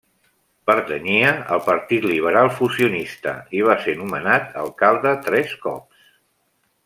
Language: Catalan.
Pertanyia al Partit Liberal Fusionista i va ser nomenat alcalde tres cops.